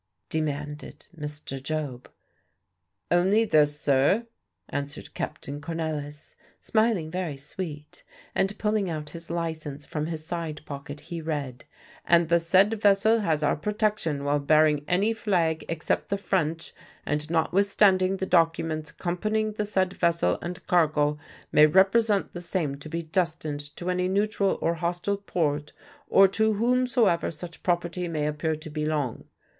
demanded Mr. Job. "Only this, sir," answered Captain Cornelisz, smiling very sweet, and pulling out his licence from his side pocket, he read, "'And the said vessel has our protection while bearing any flag except the French, and notwithstanding the documents accompanying the said vessel and cargo may represent the same to be destined to any neutral or hostile port, or to whomsoever such property may appear to belong.'